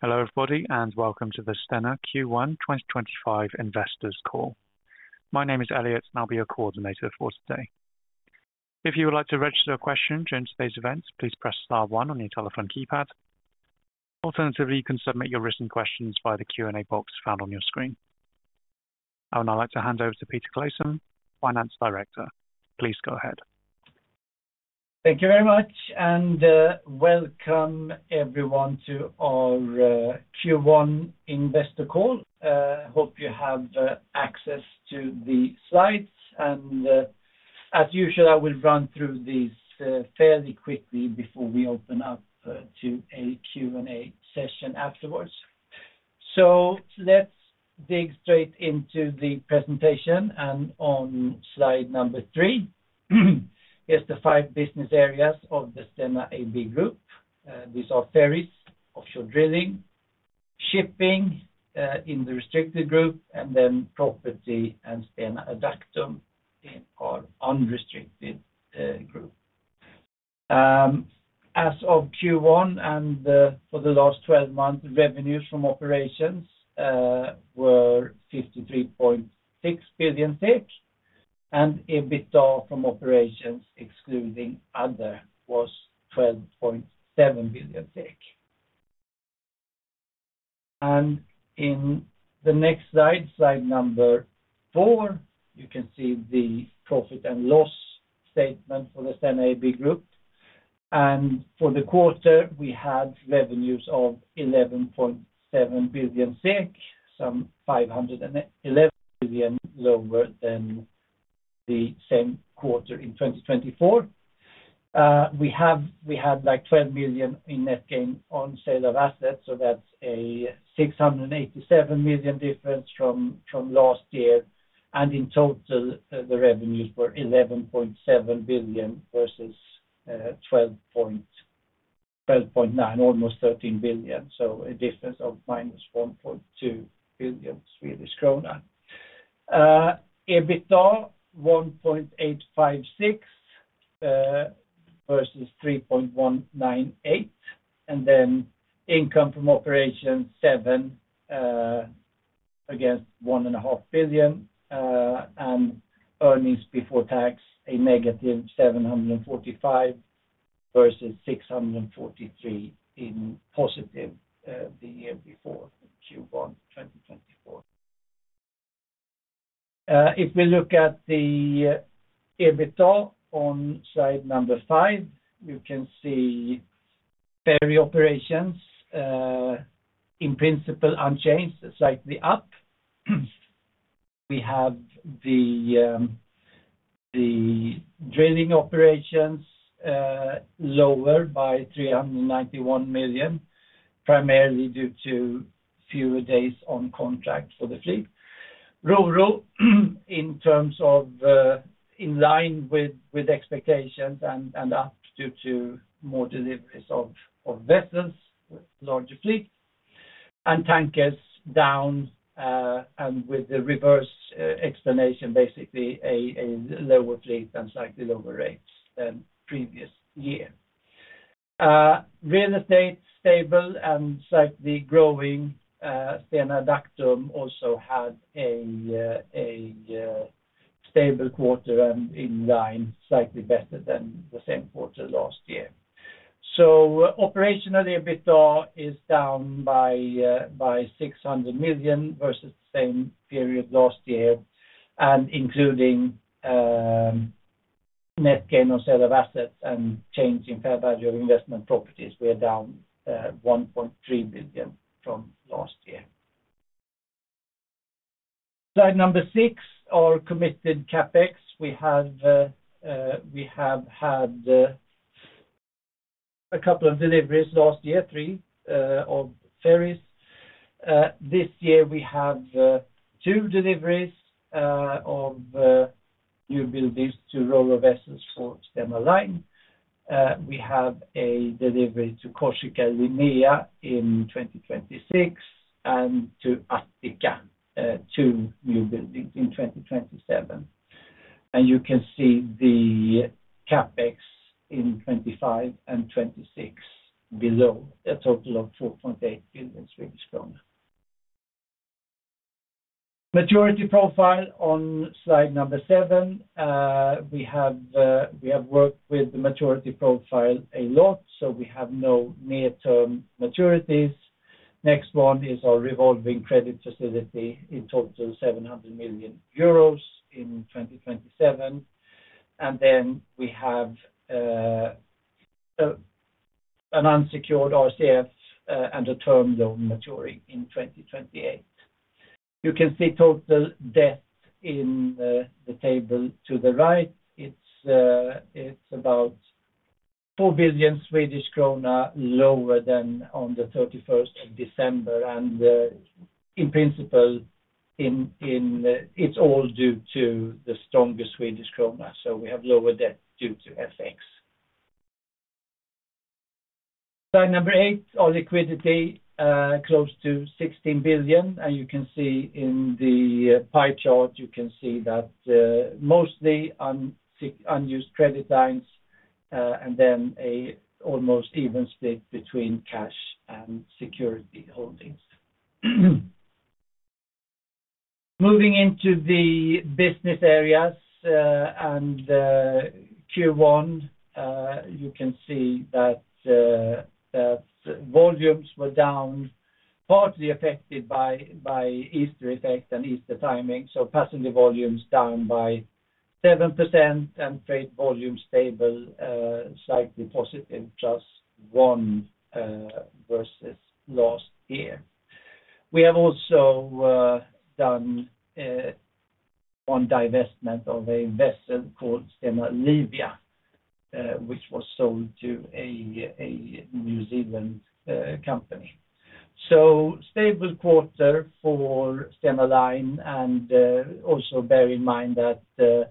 Hello everybody and welcome to the Stena Q1 2025 Investors Call. My name is Elliot and I'll be your coordinator for today. If you would like to register a question during today's event, please press star one on your telephone keypad. Alternatively, you can submit your written questions via the Q&A box found on your screen. I would now like to hand over to Peter Claesson, Finance Director. Please go ahead. Thank you very much and welcome everyone to our Q1 Investor Call. I hope you have access to the slides and, as usual, I will run through these fairly quickly before we open up to a Q&A session afterwards. Let's dig straight into the presentation and on slide number three, here are the five business areas of the Stena AB Group. These are ferries, offshore drilling, shipping in the restricted group, and then property and Stena Adactum in our unrestricted group. As of Q1 and for the last 12 months, revenues from operations were 53.6 billion and EBITDA from operations excluding other was SEK 12.7 billion. On the next slide, slide number four, you can see the profit and loss statement for the Stena AB Group. For the quarter, we had revenues of 11.7 billion SEK, some 511 million lower than the same quarter in 2024. We had like 12 million in net gain on sale of assets, so that's a 687 million difference from last year. In total, the revenues were 11.7 billion versus 12.9 billion, almost 13 billion. A difference of minus 1.2 billion Swedish krona. EBITDA 1.856 billion versus 3.198 billion. Income from operations 700 million against 1.5 billion. Earnings before tax a negative 745 million versus 643 million in positive the year before Q1 2024. If we look at the EBITDA on slide number five, you can see ferry operations in principle unchanged, slightly up. We have the drilling operations lower by 391 million, primarily due to fewer days on contract for the fleet. RoRo, in terms of in line with expectations and up due to more deliveries of vessels with larger fleets. Tankers down and with the reverse explanation, basically a lower fleet and slightly lower rates than previous year. Real estate stable and slightly growing. Stena Adactum also had a stable quarter and in line slightly better than the same quarter last year. Operationally, EBITDA is down by 600 million versus the same period last year. Including net gain on sale of assets and change in fair value of investment properties, we are down 1.3 billion from last year. Slide number six, our committed CapEx. We have had a couple of deliveries last year, three of ferries. This year we have two deliveries of new buildings to RoRo vessels for Stena Line. We have a delivery to Corsica Linéa in 2026 and to Attica, two new buildings in 2027. You can see the CapEx in 2025 and 2026 below, a total of 4.8 billion Swedish kronor. Maturity profile on slide number seven. We have worked with the maturity profile a lot, so we have no near-term maturities. Next one is our revolving credit facility in total 700 million euros in 2027. And then we have an unsecured RCF and a term loan maturing in 2028. You can see total debt in the table to the right. It's about 4 billion Swedish krona lower than on the 31st of December. And in principle, it's all due to the stronger Swedish krona, so we have lower debt due to FX. Slide number eight, our liquidity close to 16 billion. And you can see in the pie chart, you can see that mostly unused credit lines and then an almost even split between cash and security holdings. Moving into the business areas and Q1, you can see that volumes were down, partly affected by Easter effect and Easter timing. Passing the volumes down by 7% and trade volume stable, slightly positive plus one versus last year. We have also done one divestment of an investment called Stena Livia, which was sold to a New Zealand company. Stable quarter for Stena Line. Also bear in mind that the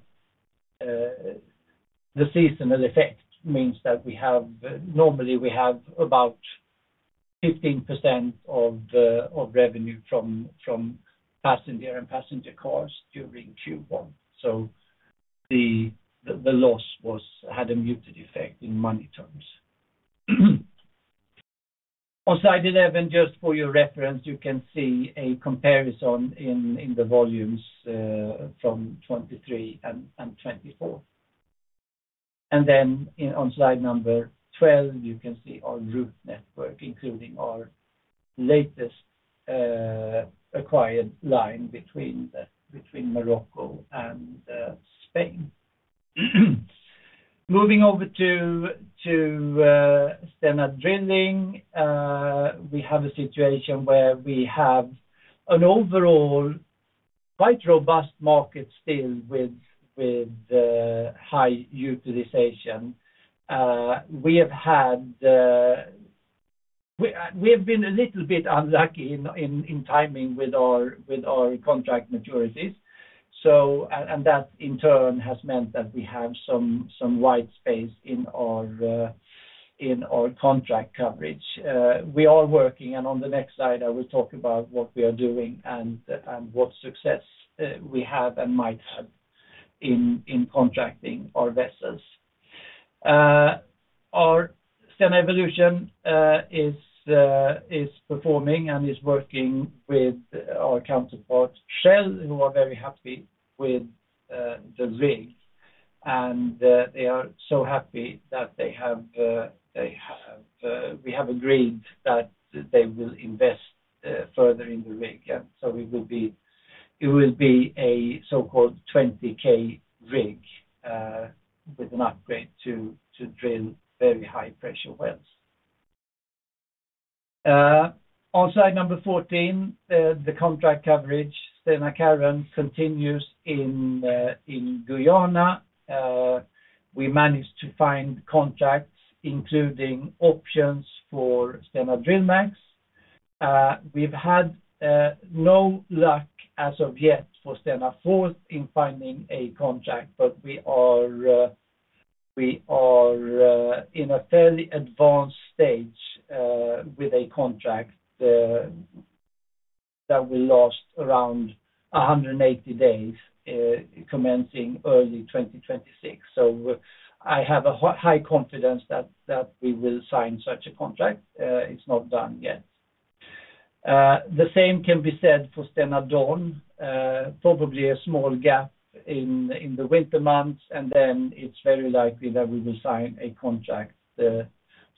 seasonal effect means that normally we have about 15% of revenue from passenger and passenger cars during Q1. The loss had a muted effect in money terms. On slide 11, just for your reference, you can see a comparison in the volumes from 2023 and 2024. Then on slide number 12, you can see our route network, including our latest acquired line between Morocco and Spain. Moving over to Stena Drilling, we have a situation where we have an overall quite robust market still with high utilization. We have been a little bit unlucky in timing with our contract maturities. That in turn has meant that we have some white space in our contract coverage. We are working, and on the next slide, I will talk about what we are doing and what success we have and might have in contracting our vessels. Our Stena Evolution is performing and is working with our counterpart Shell, who are very happy with the rig. They are so happy that we have agreed that they will invest further in the rig. It will be a so-called 20K rig with an upgrade to drill very high pressure wells. On slide number 14, the contract coverage, Stena Carron continues in Guyana. We managed to find contracts, including options for Stena DrillMAX. We've had no luck as of yet for Stena Force in finding a contract, but we are in a fairly advanced stage with a contract that will last around 180 days, commencing early 2026. I have a high confidence that we will sign such a contract. It's not done yet. The same can be said for Stena Don, probably a small gap in the winter months. It is very likely that we will sign a contract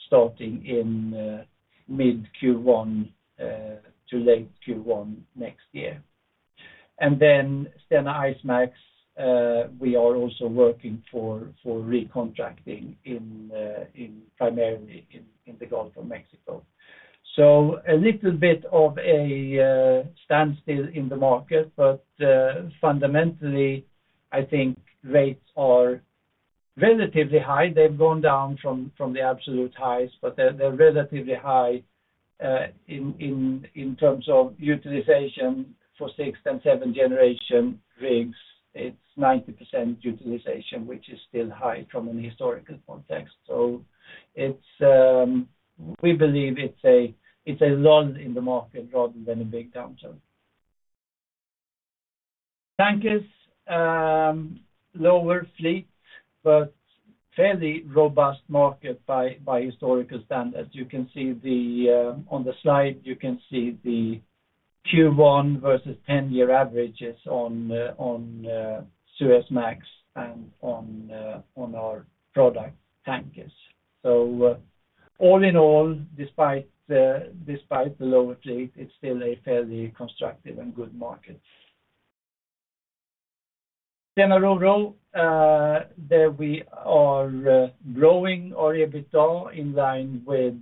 starting in mid-Q1 to late Q1 next year. Stena IceMAX, we are also working for recontracting primarily in the Gulf of Mexico. A little bit of a standstill in the market, but fundamentally, I think rates are relatively high. They've gone down from the absolute highs, but they're relatively high in terms of utilization for sixth- and seventh-generation rigs. It's 90% utilization, which is still high from a historical context. We believe it's a lull in the market rather than a big downturn. Tankers, lower fleet, but fairly robust market by historical standards. You can see on the slide, you can see the Q1 versus 10-year averages on Suezmax and on our product tankers. All in all, despite the lower fleet, it's still a fairly constructive and good market. Stena RoRo, there we are growing our EBITDA in line with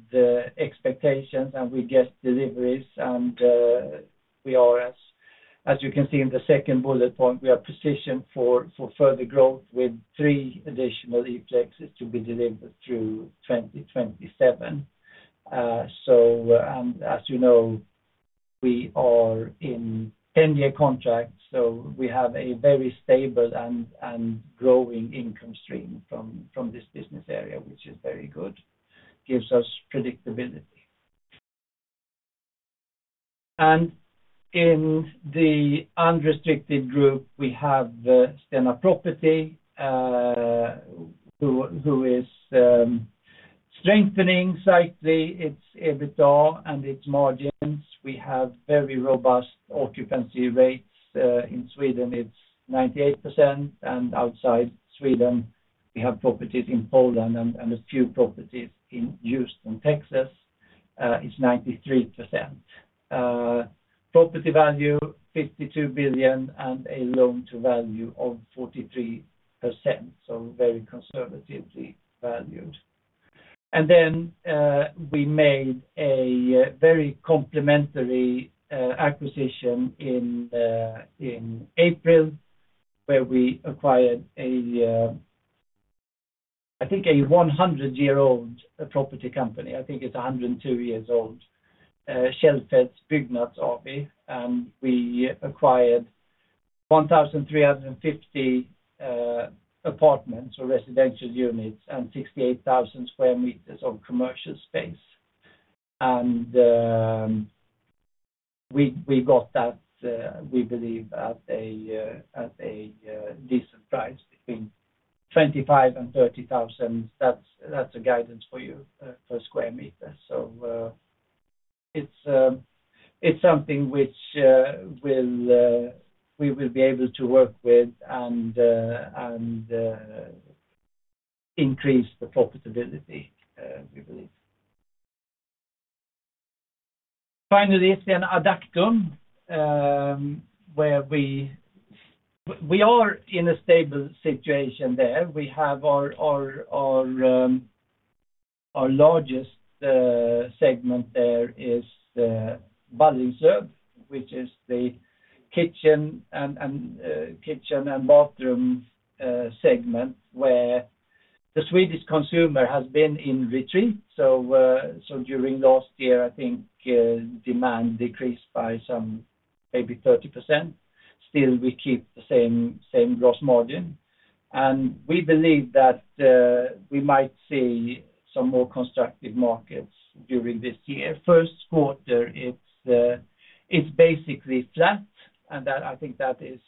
expectations and we guessed deliveries. We are, as you can see in the second bullet point, positioned for further growth with three additional E-Flexers to be delivered through 2027. As you know, we are in 10-year contracts, so we have a very stable and growing income stream from this business area, which is very good, gives us predictability. In the unrestricted group, we have Stena Property, who is strengthening slightly its EBITDA and its margins. We have very robust occupancy rates in Sweden. It is 98%. Outside Sweden, we have properties in Poland and a few properties in Houston, Texas. It is 93%. Property value, 52 billion and a loan to value of 43%, so very conservatively valued. We made a very complementary acquisition in April, where we acquired, I think, a 100-year-old property company. I think it is 102 years old, Skandia Byggnads AB, and we acquired 1,350 apartments or residential units and 68,000 sq m of commercial space. We got that, we believe, at a decent price between 25,000 and 30,000. That is a guidance for you per sq m. It is something which we will be able to work with and increase the profitability, we believe. Finally, Stena Adactum, where we are in a stable situation there. We have our largest segment there is Ballingslöv, which is the kitchen and bathroom segment where the Swedish consumer has been in retreat. During last year, I think demand decreased by maybe 30%. Still, we keep the same gross margin. We believe that we might see some more constructive markets during this year. First quarter, it is basically flat, and I think that is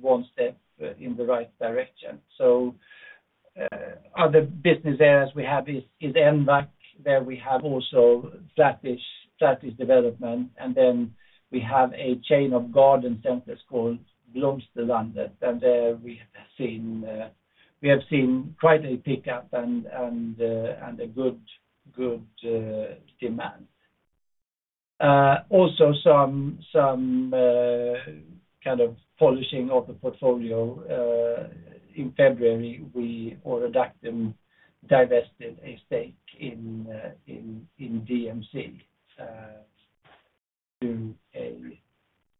one step in the right direction. Other business areas we have is Envac, where we have also flat-ish development. We have a chain of garden centers called Blomsterlandet. There we have seen quite a pickup and a good demand. Also, some kind of polishing of the portfolio. In February, we or Adactum divested a stake in DMC to a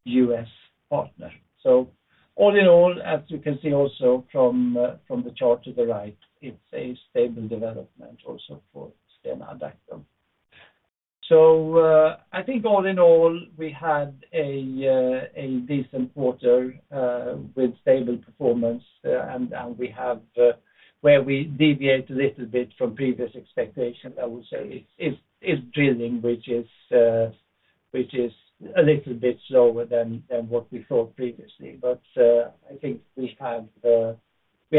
US partner. All in all, as you can see also from the chart to the right, it is a stable development also for Stena Adactum. I think all in all, we had a decent quarter with stable performance. Where we deviate a little bit from previous expectations, I would say, is drilling, which is a little bit slower than what we thought previously. I think we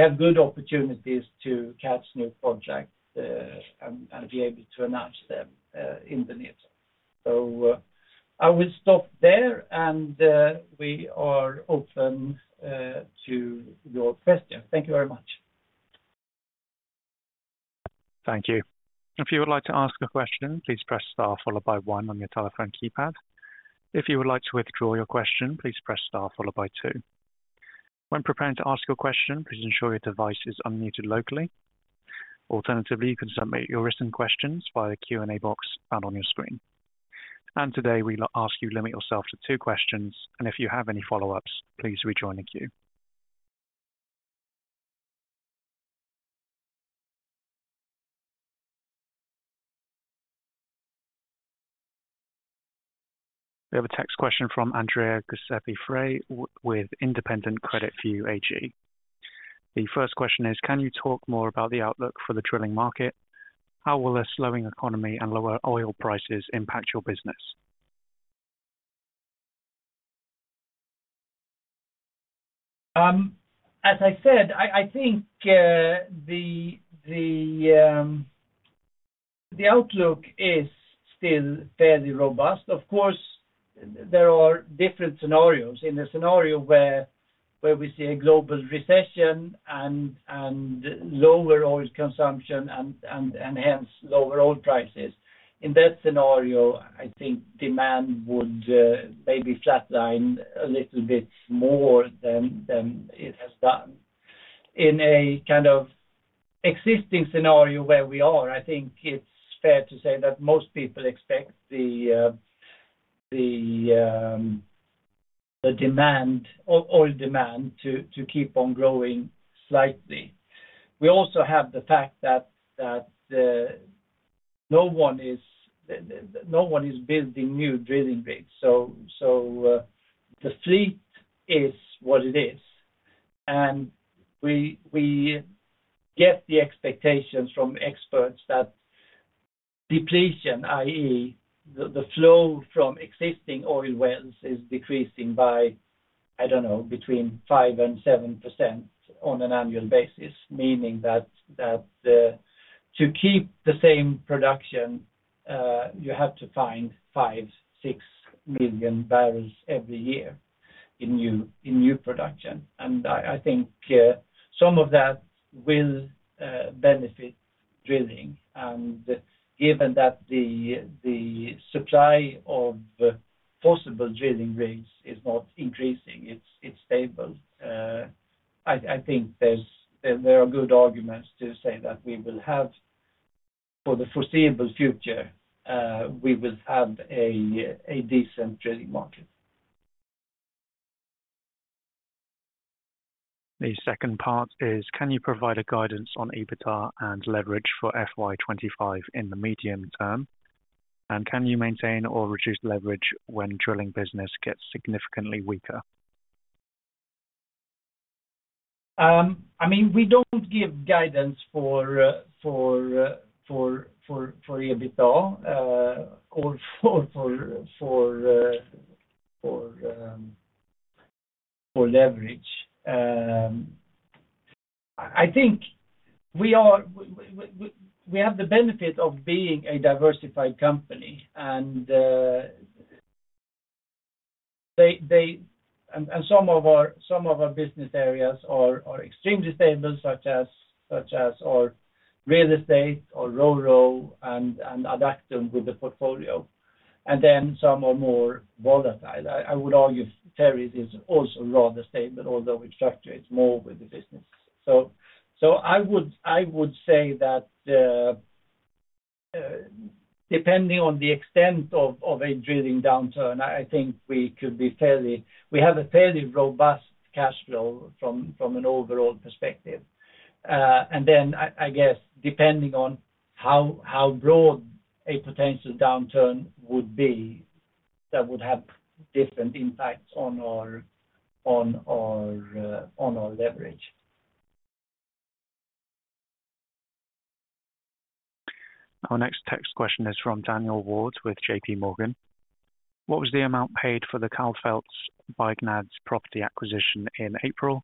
have good opportunities to catch new contracts and be able to announce them in the near. I will stop there, and we are open to your questions. Thank you very much. Thank you. If you would like to ask a question, please press star followed by one on your telephone keypad. If you would like to withdraw your question, please press star followed by two. When preparing to ask your question, please ensure your device is unmuted locally. Alternatively, you can submit your written questions via the Q&A box found on your screen. Today, we'll ask you to limit yourself to two questions. If you have any follow-ups, please rejoin the queue. We have a text question from Andrea Giuseppe Frey with Independent Credit View AG. The first question is, can you talk more about the outlook for the drilling market? How will a slowing economy and lower oil prices impact your business? As I said, I think the outlook is still fairly robust. Of course, there are different scenarios. In the scenario where we see a global recession and lower oil consumption and hence lower oil prices, in that scenario, I think demand would maybe flatline a little bit more than it has done. In a kind of existing scenario where we are, I think it's fair to say that most people expect the oil demand to keep on growing slightly. We also have the fact that no one is building new drilling rigs. The fleet is what it is. We get the expectations from experts that depletion, i.e., the flow from existing oil wells is decreasing by, I don't know, between 5-7% on an annual basis, meaning that to keep the same production, you have to find 5-6 million barrels every year in new production. I think some of that will benefit drilling. Given that the supply of possible drilling rigs is not increasing, it's stable, I think there are good arguments to say that we will have, for the foreseeable future, a decent drilling market. The second part is, can you provide a guidance on EBITDA and leverage for FY25 in the medium term? And can you maintain or reduce leverage when drilling business gets significantly weaker? I mean, we do not give guidance for EBITDA or for leverage. I think we have the benefit of being a diversified company. Some of our business areas are extremely stable, such as real estate or RoRo and Adactum with the portfolio. Then some are more volatile. I would argue Ferries is also rather stable, although it fluctuates more with the business. I would say that depending on the extent of a drilling downturn, I think we have a fairly robust cash flow from an overall perspective. I guess depending on how broad a potential downturn would be, that would have different impacts on our leverage. Our next text question is from Daniel Wards with J.P. Morgan. What was the amount paid for the Calfelt's by Gnads property acquisition in April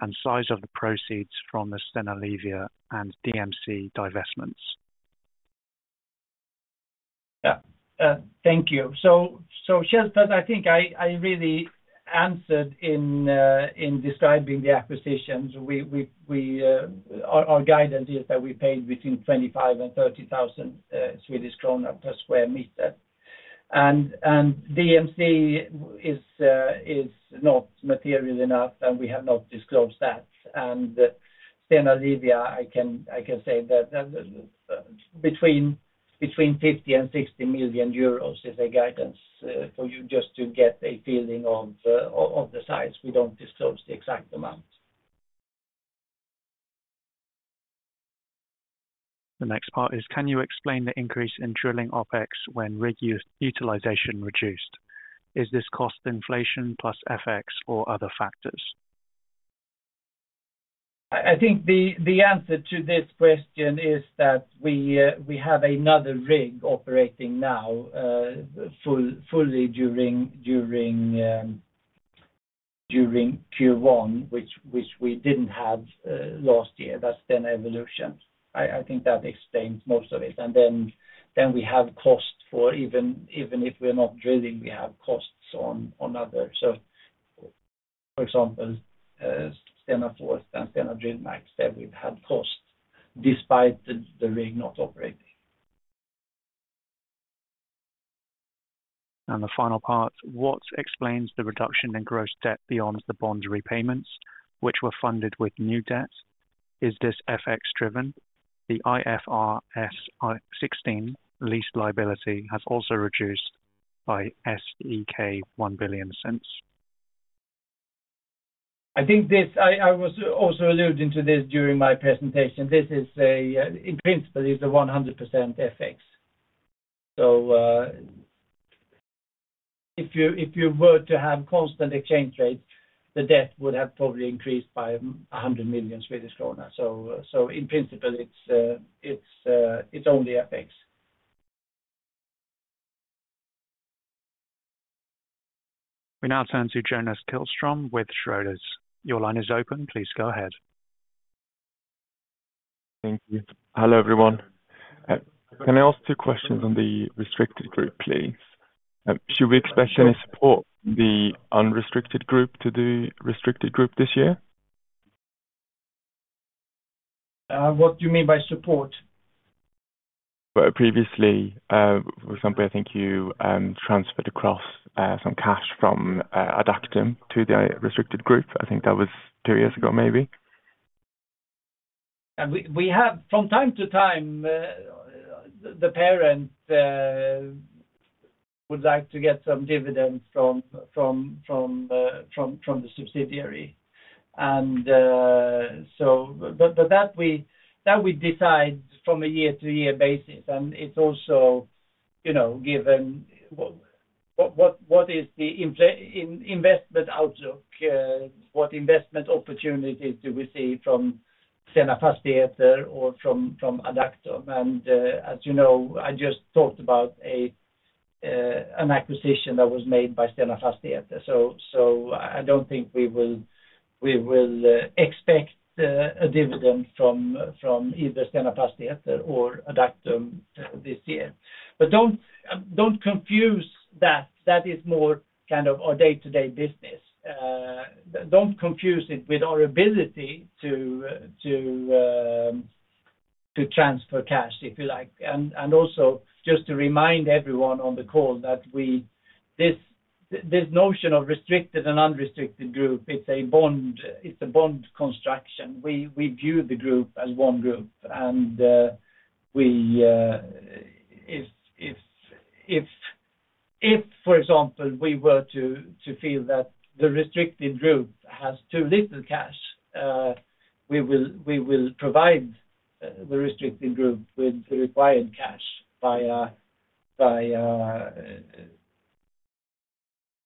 and size of the proceeds from the Stena Livia and DMC divestments? Yeah. Thank you. I think I really answered in describing the acquisitions. Our guidance is that we paid between 25,000 and 30,000 Swedish kronor per sq m. DMC is not material enough, and we have not disclosed that. Stena Livia, I can say that between 50 million-60 million euros is a guidance for you just to get a feeling of the size. We do not disclose the exact amount. The next part is, can you explain the increase in drilling OpEx when rig utilization reduced? Is this cost inflation plus FX or other factors? I think the answer to this question is that we have another rig operating now fully during Q1, which we did not have last year. That is Stena Evolution. I think that explains most of it. Then we have cost for even if we are not drilling, we have costs on others. For example, Stena Force and Stena DrillMAX that we have had costs despite the rig not operating. The final part, what explains the reduction in gross debt beyond the bond repayments, which were funded with new debt? Is this FX-driven? The IFRS 16 lease liability has also reduced by SEK 1 billion since. I was also alluding to this during my presentation. In principle, it is 100% FX. If you were to have constant exchange rates, the debt would have probably increased by 100 million Swedish kronor. In principle, it is only FX. We now turn to Jonas Kihlstrom with Schroders. Your line is open. Please go ahead. Thank you. Hello everyone. Can I ask two questions on the restricted group, please? Should we expect any support from the unrestricted group to the restricted group this year? What do you mean by support? Previously, for example, I think you transferred across some cash from Adactum to the restricted group. I think that was two years ago, maybe. From time to time, the parent would like to get some dividends from the subsidiary. That we decide from a year-to-year basis. It is also given what is the investment outlook? What investment opportunities do we see from Stena Property or from Adactum? As you know, I just talked about an acquisition that was made by Stena Property. I do not think we will expect a dividend from either Stena Fastigheter or Adactum this year. Do not confuse that. That is more kind of our day-to-day business. Do not confuse it with our ability to transfer cash, if you like. Also, just to remind everyone on the call that this notion of restricted and unrestricted group, it is a bond construction. We view the group as one group. If, for example, we were to feel that the restricted group has too little cash, we will provide the restricted group with the required cash by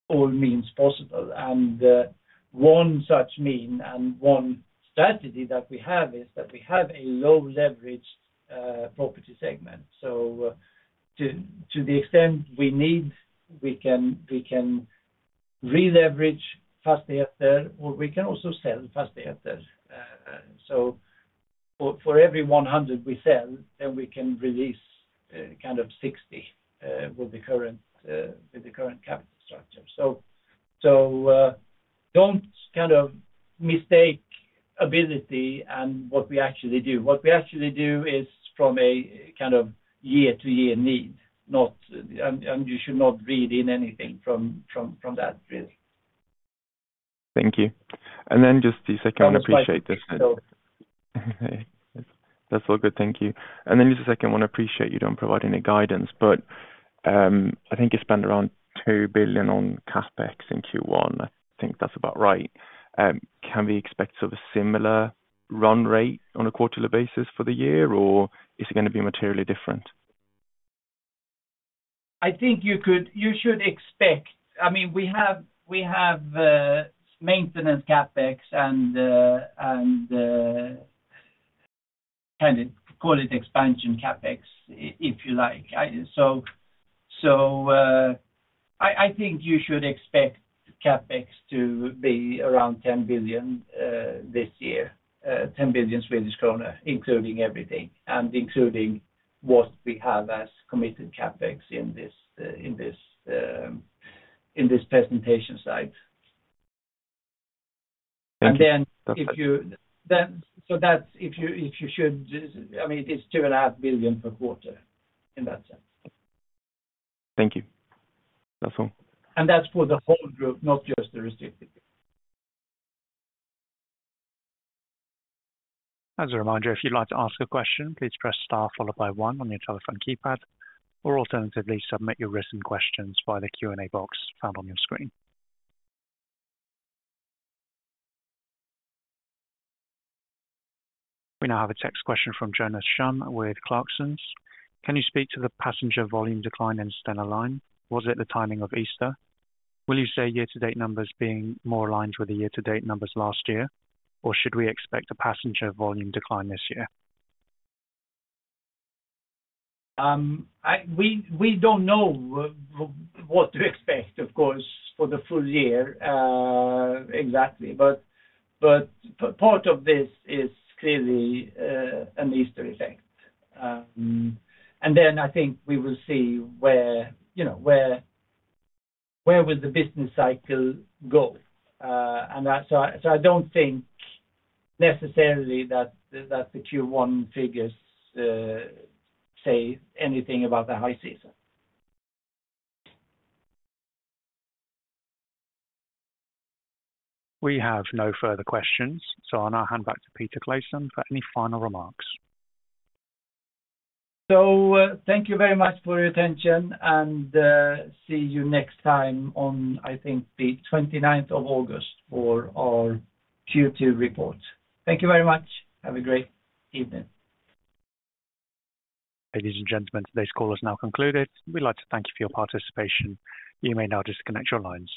all means possible. One such mean and one strategy that we have is that we have a low-leveraged property segment. To the extent we need, we can re-leverage Fastigheter, or we can also sell Fastigheter. For every 100 we sell, then we can release kind of 60 with the current capital structure. Do not mistake ability and what we actually do. What we actually do is from a kind of year-to-year need. You should not read in anything from that, really. Thank you. Then just the second one, I appreciate this. That is all good. Thank you. Then just the second one, I appreciate you do not provide any guidance, but I think you spent around 2 billion on CapEx in Q1. I think that is about right. Can we expect sort of a similar run rate on a quarterly basis for the year, or is it going to be materially different? I think you should expect. I mean, we have maintenance CapEx and kind of call it expansion CapEx, if you like. I think you should expect CapEx to be around 10 billion this year, 10 billion Swedish krona, including everything and including what we have as committed CapEx in this presentation slide. If you—so that's if you should—I mean, it's 2.5 billion per quarter in that sense. Thank you. That's all. That's for the whole group, not just the restricted group. As a reminder, if you'd like to ask a question, please press star followed by one on your telephone keypad or alternatively submit your written questions via the Q&A box found on your screen. We now have a text question from Jonas Scheim with Clarksons. Can you speak to the passenger volume decline in Stena Line? Was it the timing of Easter? Will you say year-to-date numbers being more aligned with the year-to-date numbers last year, or should we expect a passenger volume decline this year? We don't know what to expect, of course, for the full year exactly. Part of this is clearly an Easter effect. I think we will see where will the business cycle go. I don't think necessarily that the Q1 figures say anything about the high season. We have no further questions. I'll now hand back to Peter Claesson for any final remarks. Thank you very much for your attention, and see you next time on, I think, the 29th of August for our Q2 report. Thank you very much. Have a great evening. Ladies and gentlemen, today's call has now concluded. We'd like to thank you for your participation. You may now disconnect your lines.